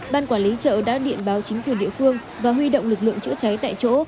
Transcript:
ban quản lý chợ đã điện báo chính quyền địa phương và huy động lực lượng chữa cháy tại chỗ